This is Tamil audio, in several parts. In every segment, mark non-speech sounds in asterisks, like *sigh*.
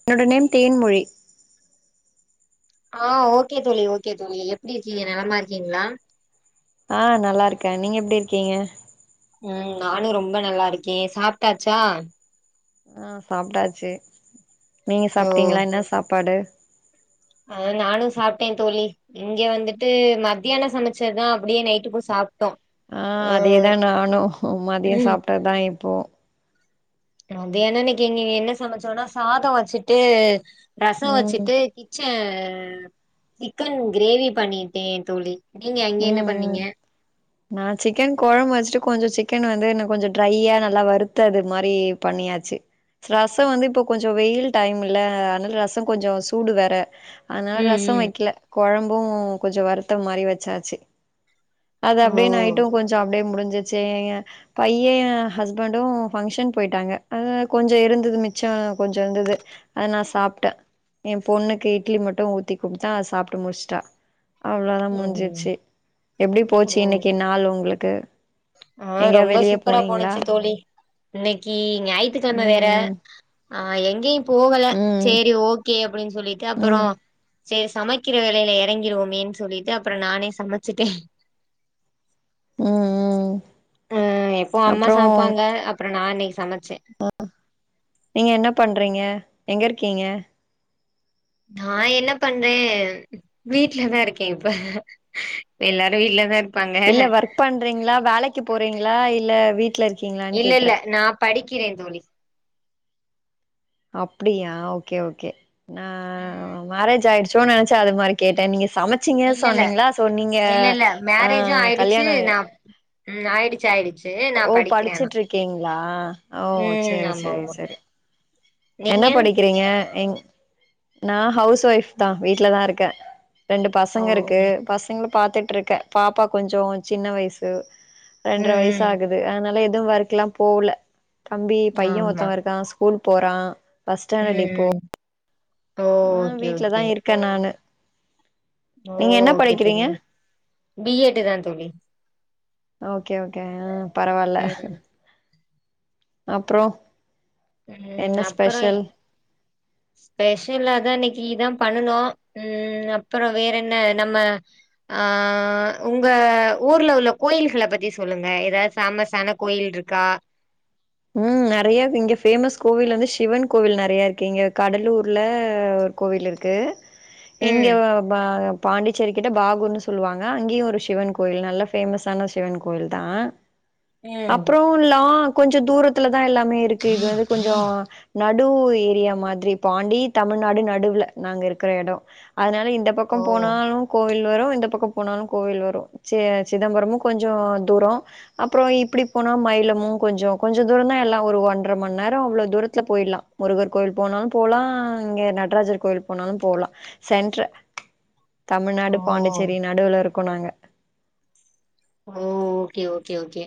என்னோட நேம் தேன்மொழி ஆ ஓகே தோழி ஓகே தோழி எப்டி இருக்கீங்க நலமா இருக்கீங்ளா ஆ நல்லாருக்கே நீங்க எப்டி இருக்கீங்க உம் நானு ரொம்ப நல்லா இருக்கே சாப்ட்டாச்சா ஆஹ சாப்டாச்சு நீங்க சாப்பிட்டீங்களா என்ன சாப்பாடு அ நானும் சாப்பிட்டேன் தோழி இங்க வந்துட்டு மத்தியானம் சமைச்சதுதான் அப்படியே நைட்டுக்கு சாப் ஆ அதேதான் நானும் உ மதியம் சாப்பிட்டதுதான் போ மதியனம் இன்னிக்கு இங்க என்ன சமைச்சோனா சாதம் வச்சுட்டு ரசம் ம் வெச்சிட்டு கிச்சன் சிக்கன் கிரேவி பண்ணிட்டேன் தோழி நீங்க அங்க என்ன உம் உம் பண்ணீங்க நான் சிக்கன் குழம்பு வச்சுட்டு கொஞ்சம் சிக்கன் வந்து கொஞ்சம் டிரையா நல்லா வறுத்து அது மாதிரி பண்ணியாச்சு ரசம் வந்து இப்ப கொஞ்சம் வெயில் டைம் இல்ல அதனால ரசம் கொஞ்சம் சூடு வேற ஆனா ம் ரசம் ம் வைக்கல குழம்பும் கொஞ்சம் வருது *unintelligible* வெச்சாச்சு அது ஓ அப்படியே நைட்டும் கொஞ்ச அப்படியே முடிஞ்சு ந்துச்சேய பையன் ஹஸ்பண்டு பங்க்ஷன் போயிட்டாங்க கொஞ்ச இருந்துது மிச்சம் கொஞ்ச இருந்துது அதை நான் சாப்பிட்டேன் என் பொண்ணுக்கு இட்லி மட்டும் ஊத்தி குடுத்த அத சாப்ட்டு முடிச்சிட்டா அவ்வளோதான் முடிஞ்சுது ம் செ எப்படி போச்சு இன்னைக்கு நாள் உங்களுக்கு ஆஹ எங்கயா ரொம்ப வெளிய சூப்பரா போனீங்களா போனச்சு தோழி இன்னைக்கு ஞாயிற்த்துக்கிழமை வேற ம் ஆஹ் எங்கயு போகல ம் சரி ஓகே அப்படின்னு சொல்லிட்டு ம் அப்புறம் சரி சமைக்கிற வேலையில இறங்கிடுவோமே சொல்லிட்டு அப்புறம் நானே சமைச்சுட்டேன் உம் உம் ஹ எப்போ அம்மா சாப்பாங்க அப்படி நான் இன்னிக்கு சமை ஆஹ நீங்க என்ன பண்றீங்க எங்க இருக்கீங்க நான் என்ன பண்ண வீட்லதான் இருக்கேன் இப்ப எல்லாரு வீட்லதான் இரு இல்ல வொர்க் பண்றீங்களா வேலைக்கு போறீங்களா இல்ல வீட்ல இரு இல்ல இல்ல நான் படி க்கிறேன் தோழி அப்படியா ஓகே ஓகே ஆ ம் மேரேஜ் ஆயிடுச் சோன் நெனச்ச அது மாரி கேட்டே நீங்க சமச்சீங்க இல்ல இல்ல சொன்னீங்ளா சோ நீங்க இல்ல இல்ல ஆ மேரேஜு ஆயிடுச்சு கல்யாணாய் நா ம் ஆயிடுச்சி ஆயிடுச் ஓ படிச்சிட்ருக்கீங்ளா ஓ ம் சேரி ஆமா செரி ஆமா செரி என்ன நீங்க படிக்றீங்க எங் நா ஹவுஸ் வைஃப் தா வீட்ல தா இருக்கே ரெண்டு ஓ பசங்க இருக்கு பசங்க பாத்துட்ருக்கே பாப்பா கொஞ்ச சின்ன வயசு ரெண்ர ம் வயசு ம் ஆகுது அதனால எ எது ஒர்க்லா போவ்ல தம்பி பைய ஆமா. ஒருத்தவ இருக்கா ஸ் கூல் போறா ஃபர்ஸ்ட் ம், ஸ்டாண்டர்ட் இப்போ ம். ஓ! ஆ ஓகே, ஓகே. வீட்லதா இருக்க நானு ஓ நீங்க என்ன ஓகே படிக்கிறீங்க தோழி பி எட்டு தா தோழி ஓகே ஓகே ஆ பரவால ம், அப்பறோ ம் அப்பறோ ஸ்பெஷலாதா இன்னிக் டீ தா பண்ணனு ம் அப்பறோ வேற என்ன நம்ம ஆ உங்க ஊர்ல உள்ள கோயில்கள பத்தி சொல்லுங்க எதாது ஃபேமஸ்ஸன கோயில்ருக்கா ம் நறைய இங்க ஃபேமஸ் கோவில் வந்து சிவன் கோவில் நறையா இருக்கு இங்க கடலூர்ல ஒரு கோவில் இருக்கு எங்க ம், வ பா பாண்டிச்சேரி கிட்ட பாகூர்ன்னு சொல்லுவாங்க அங்கயு ஒரு சிவன் கோயில் நல்ல ஃபேமஸ் ஆனா சிவன் கோயில் தா ம். அப்பறோ லாக் ச தூரத்துலதா எல்லாமே இருக்கு இது வந்து கொஞ்சோ நடு ஏரியா மாதிரி பாண்டி தமிழ்நாடு நடுவுல நாங்க இருக்கற எடோ அதனால இந்த பக்கோ ஓ! போனாலு கோவில் வரு இந்த பக்கோ போனாலு கோவில் வரு சிய சிதம்பரமு கொஞ்சோ தூரோ அப்பறோ இப்பிடி போனா மயிலமு கொஞ்சோ கொஞ்ச தூரந்தா எல்லா ஒரு ஒன்றர மண் நேரோ அவ்ளோ தூரத்துல போயிடலா முருகர் கோயில் போனாலு போலா இங்க நடராஜர் கோயில் போனாலு போலா சென்ட்று ஓ! தமிழ்நாடு பாண்டிச்சேரி நடுவுல இருக் கோ நாங்க ஓ ஓகே ஓகே ஓகே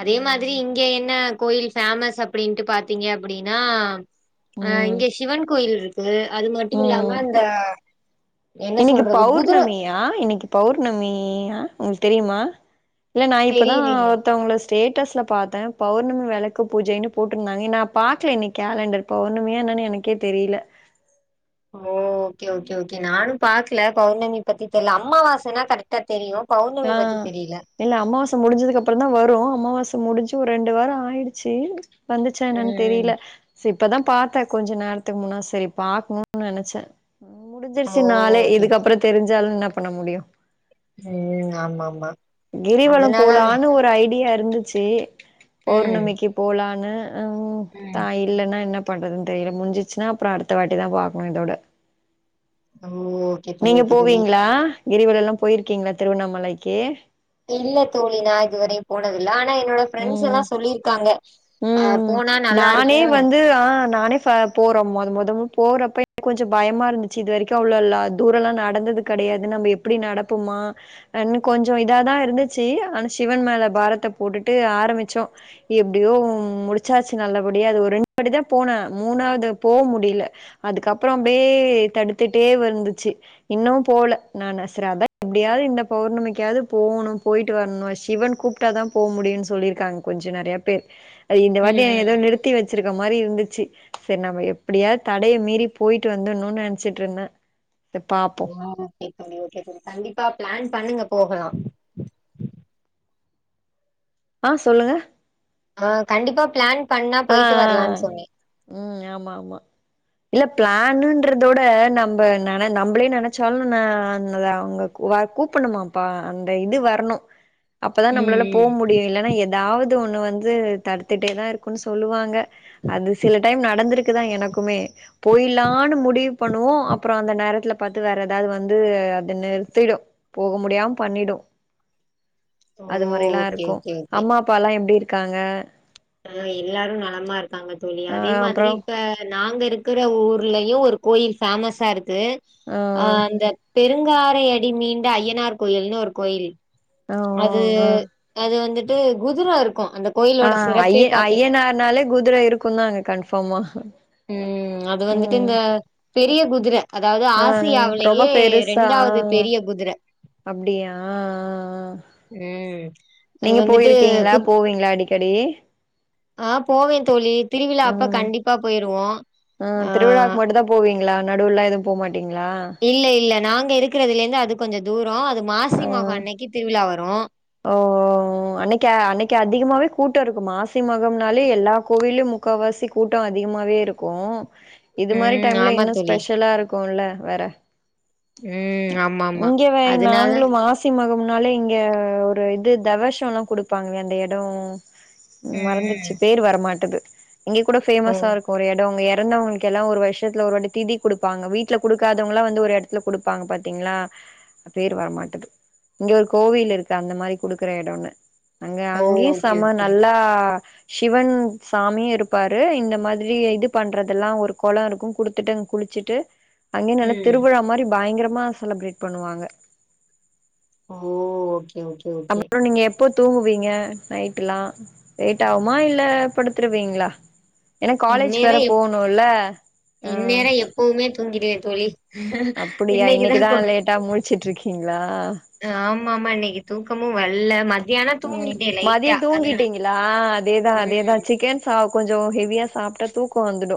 அதே மாதிரி ம் இங்க என்ன கோயில் ஃபேமஸ் அப்பிடின்ட்டு பாத்தீங்க அப்பிடின்னா அ ம் இங்க சிவன் கோயில் இருக்கு அது மட்டு ம் இல்லாம இந்த இன்னைக்கு பௌர்ணமியா இன்னைக்கு பௌர்ணமியா உங்களுக்கு தெரியுமா இல்ல நான் இப்பதான் தெரியலையே ஒருத்தவுங்கள ஸ்டேட்டஸ்ல பாத்தேன் பௌர்ணமி விளக்கு பூஜைன்னு போட்ருந்தாங்க நான் பாக்கல இன்னைக் கேலண்டர் பௌர்ணமியா என்னன்னனு எனக்கே தெரியல ஓ ஓகே ஓகே ஓகே நானும் பாக்கல பௌர்ணமி பத்தி தெரில அம்மாவாசனா கரெக்டா தெரியும் ஆஹ் இல்ல அமாவாசை முடிஞ்சதுக்கு அப்புறம் தான் வரும் அமாவாச முடிஞ்சு ஒரு ரெண்டு வாரம் ஆயிடுச்சு வந்துச்சா என்னான்னு ம் தெரில சே இப்பதான் பாத்தேன் கொஞ்சம் நேரத்துக்கு முன்னா சரி பாக்கணும்னு நெனைச்சேன் ஓ முடிஞ்சிருச்சு நாளே ஓகே ஓகே இதுக்கப்புறம் தெரிஞ்சாலும் என்னா பண்ண முடியும் ம் ஆமா ஆமா கிரிவலம் அதனால போலான்னு ஒரு ஐடியா இருந்துச்சு ம் பௌர்ணமிக்கு போலா னு ஆஹ் உ ம் தாய் இல்லன்னா என்ன பண்றதுன்னு தெரில முடிஞ்சிச்சுன்னா அப்புறம் அடுத்த வாட்டி தான் பாக்கணும் இதோட ஓ ஓகே தோழி நீங்க ஓகே தோழி போவீங்ளா கிரிவலல்லாம் போயிருக்கீங்களா திருவண்ணாமலைக்கு இல்ல தோழி நா இதுவரை போனதில்ல ஆனா என்னோட ஃபிரெண்டஸ் எல்லாம் சொல்லிருக்காங்க ஆ உம் போனா நல்லா நானே இருக்கு வந்து ஆஹ் நானே போறோம் மொத மொத போறப்ப கொஞ்ச பயமா இருந்துச்சு இது வரைக்கும் அவ்வளவுல்லா தூரல்லா நடந்தது கெடையாது நம்ம எப்டி நடப்போமான்னு கொஞ்சம் இதா தான் இருந்துச்சு ஆனா சிவன் மேல பாரத்தை போட்டுட்டு ஆரம்பிச்சோம் எப்டியோ முடிச்சாச்சு நல்லபடியா அது ஒரு ரெண்டு வாட்டி தா போனேன் மூணாவது போக முடில அதுக்கப்புறம் அப்டியே தடுத்துட்டே வந்துச்சு இன்னும் போல நான் நசுறா அதான் எப்டியாவது இந்த பௌர்ணமிக்காவது போகணும் போயிட்டு வரணும் சிவன் கூப்புட்டா தான் போக முடியும்ன்னு சொல்லிருக்காங்க கொஞ்ச நெறைய பேர் அது இந்த வாட்டி ம் ம் ஏதோ நிறுத்தி வச்சிருக் கற மாரி இருந்துச்சு சரி நம்ம எப்டியாது தடைய மீறி போய்ட்டு வந்தர்ணும்னு நெனைச்சிட்டு இருந்தேன் ஓகே தோழி ஓகே தோழி கண்டிப்பா பிளான் பண்ணுங்க போகலாம் ஆஹ் சொல்லுங்க ஆஹ் கண்டிப்பா பிளான் பண்ணா ஆஹ் போயிட்டு ஆஹ் வரலான்னு ஆஹ் சொன்னே உம் ஆமா ஆமா இல்ல பிளான்ன்றதவிட நம்ம நம்மளே நெனைச்சாலும் ந அ அவுங்க வ கூப்பணுமாப்பா அந்த இது வரணும் அப்பதான் ம் நம்மளால போக ம் முடியும் இல்லன்னா ஏதாவது ஒண்ணு வந் வந்து தடுத்துட்டே தான் இருக் குன் சொல்லுவாங்க அந்து சில டைம் நடந்துருக்குதா எனக்குமே போயிலான்னு முடிவு பண்ணுவோ அப்புறோ அந்த நேரத்துல பாத்து வேற ஏதாது வந்து அத நிறுத்திடு போக முடியாம் பண்ணிடு ஓ அது மரிலா ஓகே இருக்கு ஓகே ஓகே அம்மா அப்பாலா எப்டிரு காங்க அ எல்லாரு நலமா இருக்காங்க தோழி ஆ அதே மாதுரி அப்புறோ இப்ப நாங்க இருக்குற ஊர்லயு ஒரு கோயில் ஃபேமஸா இருக் கு ஆ அந்த பெருங்காரை அடி மீந்த அய்யனார் கோயில்னு ஒரு கோயில் ஆ ஓ அது அது வந்துட் டு குதுரோ இருக் அ அய அய்யனார்னாலே குதுர இருக் கு தாங்க கன்ஃபாமா ம் அது வந்துட்டு இந்த பெரிய குதுர அதாவ்து ஆ ரொம்ப ஆசியாவுலயே பெருசா ஆ ரெண்டாவது பெரிய குதுர அப்டியா ஆ ஆ ம் அது நீங்க வந்துட்டு போயிருக்கீங்ளா புது போவீங்ளா அடிக் கடி ஆ போவே தோழி திருவிழா அப்ப ம் கண்டிப்பா போயிருவோ ஆ நடுவுல்லா எது போமாட் இல்ல இல்ல நாங்க இருக்குறதுலேந்து அதுக் கொஞ்ச தூரோ அது மாசி மஹோ அன்னக்கி திருவிழா வரு ஒ ஒ ஒ அன்னக்கு அன்னக்கு அதிக்மாவே கூட்டோ இருக்கு மாசி மகம்னாலே எல்லா கோவில்யு முக்கவாசி கூட்ட அதிக்மாவே இருக்கு இது மாரி ம் டைம்ல ஆமா இன்னு தோழி ஸ்பெஷலாருக் கோல்ல வேற ம் ஆம் ஆமா அதுனால னால இங்க இது தவஷோலா குடுப்பாங்ளே அந்த எடோ ம் மறந்துர்ச்சு ம் பேர் வரமாட்டுது இங்க கூட ஓ ஃபேமஸா இருக்கு ஒரு எடோ உங்க எ எறந்தவ்ங்ளுக்கு எல்லா ஒரு வர்ஷத்ல ஒரு வாட்டி திதி குடுப்பாங்க வீட்ல குடுக்காதவங்ளா வந்து ஒரு எடத்ல குடுப்பாங்க பாத்தீங்ளா பேர் வர மாட்டுது இங்க ஒரு கோவில் இருக்கு அங்கதா இந்த மாரி குடுக்குற எடோன்னு அங்க ஓ அங்யு ஓகே செம ஓகே நல்லா சிவன் சாமியு இருப்பாரு இந்த மாத்ரி இது பண்றதல்லா ஒரு கொள இருக்கு குடுத்துட்டு அங குளிச்சுட்டு அங்யு நல்ல ம் திருவிழா மாரி பயங்ர ம்மா செலிப்ரேட் பண்ணுவாங்க அவ் ஓ ஓகே ஓகே போ தூங்குவீங்க நைட்டுலா லேட் ஆகுமா இல்ல படுத்துருவீங்களா ஏன்னா காலேஜ் இந்நேர வேற எப் போணுல்ல ஆ இந்நேரோ எப்போவுமே தூங்கிடுவ தோழி அப்டியா இன்னைக்கிதா இன்னைக்குதா கொ லேட்டா முழிச்சிட்டு இருக்கீங்களா ஆமாமா இன்னிக்கு தூக்கமு வல்ல மத் ம் மதியோ தூங்கிட்டீங்களா அதேதா அதேதா ம் ஜிக்கன் சாப் கொஞ்சோ ஹெவியா சாப்ட்டா தூக்கோ வந்துடு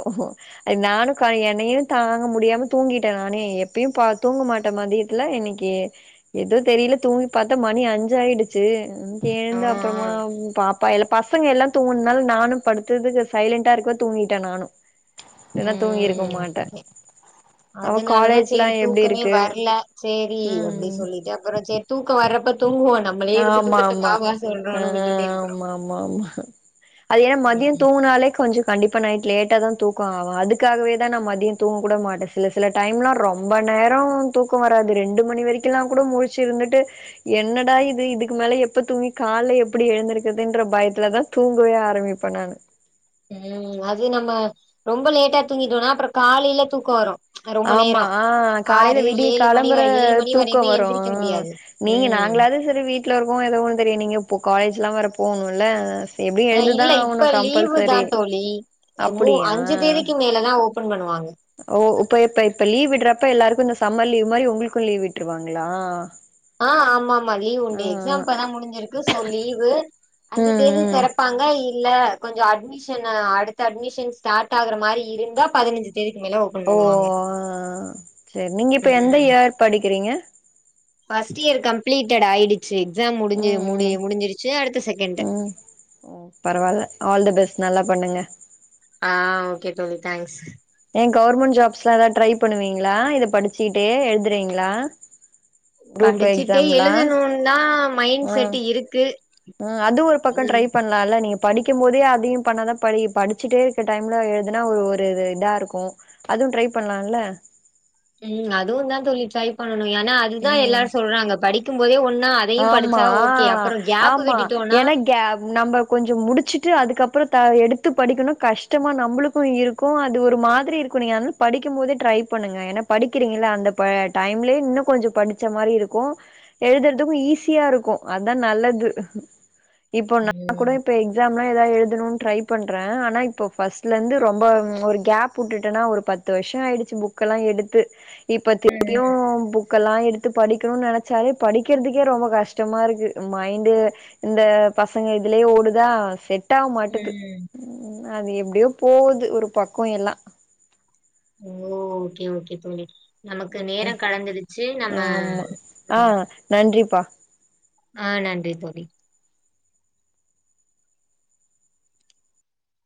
அது நானு கொ என்னையு தாங்க முடியாம தூங்கிட்ட நானே எப்பயு பா தூங்க மாட்ட மதியத்துல இன்னிக்கி எதோ தெரில தூங்கி பாத்த மணி அஞ்சு ஆயிடுச்சு ம் ஆ கேழுந்து அப்பறமா பா பயலு பசங்க எல்லா தூங்கன்னால நானு படுத்ததுக்கு சைலண்டா இருக்கவு தூங்கிட்ட நானு இல்லன்னா தூங்கிருக்க ம் மாட்டே அவ அதனால தா காலேஜ்லா சேரி எப்டி தூக்கமே இருக்கு வர்ல சேரி அப்டி ம் சொல்லிட்டு அப்றோ சேரி தூக்கோ வர்றப்ப தூங்குவோ நம்மளே எதுக்கு ஆமா தூக்கத்த வா ஆமா வா ஆ சொல்றோன்னு விட்டுட்டே அப்புறோ ஆமா ஆமா ஆம் ம்மா அது யேன் மதியோம் தூங்குனாலே கொஞ்சோ கண்டிப்பா நைட் லேட்டா தா தூக்கோ ஆவா அதுக்காகவே தா நா மதியோ தூங்க கூட மாட்ட சில சில டைம்லா ரொம்ப நேரோ தூக்கோ வராது ரெண்டு மணி வரைக்கும்லா கூட முழச்சு இருந்துட்டு என்னடா இ இது இதுக்கு மேல எப்ப தூங்கி கால்ல எப்டி எழுந்திருக்குதுன்ற பயத்துலதா தூங்கவே ஆரம்பிப்ப நானு ம் அது நம்ம ரொம்ப லேட்டா தூங்கிட்டோனா அப்றோ காலைல தூக்க வரு ரொம்ப ஆமா நேரோ ஆ காலைல ஆறு விடிய ஏழு மணி களம்பற வரை ஏழு மணி தூக்க வரையுமே வரு எந்திரிக்க முடியாது நீங்க ம் நாங்களாது சரி வீட்ல இருக்கோ எதோ ஒன்னு தெரியு நீங்க போ காலேஜ் எல்லா வேற போணுல்ல அ இல்ல இப்ப லீவு தா தோழி மூ அப்டியா அஞ்சி தேதிக்கு மேலதா ஓபன் பண்ணுவாங்க ஓ இப்ப இப்ப இப்ப லீவ் விட்றப்ப எல்லாருக்கு இந்த சம்மர் லீவ் மாரி ஒங்ளுக்கு லீவ் விட்ருவாங்களா ஆ ஆமாமா லீவ் உண்டு எக்ஸாம் இப்பதா முடிஞ்சிருக்கு சோ லீவு அஞ்சு ம் தேதி ம் திறப்பாங்க இல்ல கொஞ்ச அட்மிஷனு அடுத்த அட்மிஷன் ஸ்டார்ட் ஆகுற மாரி இருந்தா பதினஞ்சு தேதிக்கு மேல ஓபன் ஓ பண்ணுவாங்க செரி நீங்க இப்ப எந்த ம் இயர் படிக்கிறீங்க ஃபர்ஸ்ட் இயர் கம்ப்ளீட்டட் ஆய்டு ச்சி எக்ஸாம் முடிஞ்சி ம் முடி முடிஞ்சிருச்சு அடுத்து செகண்டு ம் ம் ஓ பரவால்ல ஆல் த பெஸ்ட் நல்லா பண்ணுங்க ஆ ஓகே தோழி தேங்க்ஸ் ஏ கவர்மெண்ட் ஜாப்ஸ்லா எதா ட்ரை பண்ணுவீங்களா இத படிச்சிட்டே எழுதுறீங்களா குரூப் படிச்சுட்டே எக்ஸாம்லா எழுதனு தா மைண்ட் செட் இருக்கு ம் அது ஒரு பக்கோ ட்ரை ம் பண்லால நீங்க படிக்கும் போதே அதையு பண்ணாதா படி படிச்சிட்டே இருக்க டைம்ல எழுதுனா ஒரு ஒரு இதா இருக்கு அதுவு ட்ரை பண்லால ம் அதுவு தா தோழி ட்ரை பண் ணணு ஏனா அதுதா ம் எல்லாரு சொல்றாங்க படிக் கும் போதே ஒன் ஆமா ஆ ஆமா விட்டுட்டோனா ஏன்னா கே நம்ப கொஞ்சோ முடிச்சுட்டு அதுக்கப்புற த அத எடுத்து படிக்கணு கஷ்டமா நம்புளுக்கு இருக்கு அது ஒரு மாதிரி இருக்கு நீங்க வந் படிக்கும் போதே ட்ரை பண்ணுங்க ஏனா படிக்கிறீங்க இல்ல அந்த ப டைம்லியே இன்னு கொஞ்சோ படிச்ச மாரி இருக்கு எழுதர் துக்கு ஈஸியா இருக்கு அதா நல்லது இப்போ நா ம் கூட இப்ப எக்ஸாம்லா எதா எழுதுணுன் ட்ரை பண்றே ஆனா இப்ப ஃபஸ்ட்லந்து ரொம்போ ஒரு கேப் உட்டுட்டனா ஒரு பத்து வர்ஷோ ஆயிடுச்சு புக்கல்லா எடுத்து இப்ப ம் திருப்பியு புக் கெல்லா எடுத்து படிக்குணுன் நெனச்சாவே படி க்கிறதுக்கே ரொம்ப கஷ்டமா இருக்கு மைண்டு இந்த பசங்க இதுலியே ஓடுதா செட் ட்டாவ் மாட்டது ம். அது எப்டியோ போவுது ஒரு பக்கோ எல்லா ஓ ஓகே ஓகே தோழி நமக்கு நேரோ கடந்துருச்சு நம்ம ஆமா ஆ நன்றிப்பா ஆஹ் நன்றி தோழி